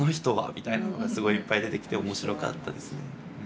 みたいなのがすごいいっぱい出てきて面白かったですね。